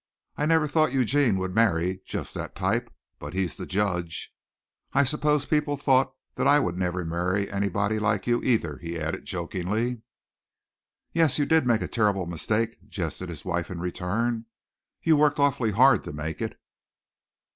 I never thought Eugene would marry just that type, but he's the judge. I suppose people thought that I would never marry anybody like you, either," he added jokingly. "Yes, you did make a terrible mistake," jested his wife in return. "You worked awfully hard to make it."